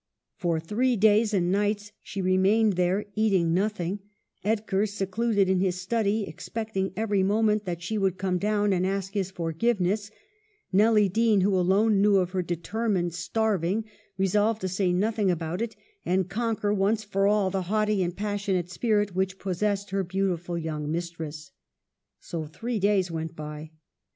For three days and nights she remained there, eating nothing ; Edgar, secluded in his study, expecting every moment that she would come down and ask his forgiveness ; Nelly Dean, who alone knew of her determined starving, resolved to say nothing about it, and conquer, once for all, the haughty and passionate spirit which possessed her beauti ful young mistress. So three days went by.